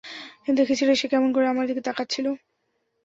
দেখেছিলে সে কেমন করে আমার দিকে তাকাচ্ছিলো?